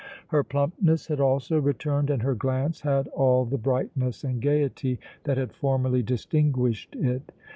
Her plumpness had also returned, and her glance had all the brightness and gayety that had formerly distinguished it.